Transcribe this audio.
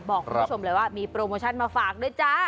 บอกคุณผู้ชมเลยว่ามีโปรโมชั่นมาฝากด้วยจ้า